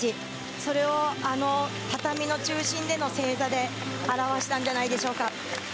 それを畳の中心での正座で表したんじゃないでしょうか。